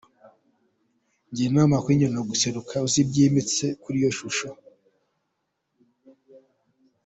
Njye inama ituruka kuri njye ni uguseruka uzi byimbitse iyo shusho.